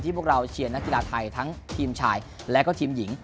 พวกเราเชียร์นักกีฬาไทยทั้งทีมชายและก็ทีมหญิง